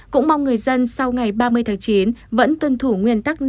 cũng mong người dân sau ngày ba mươi tháng chín vẫn tuân thủ nguyên tắc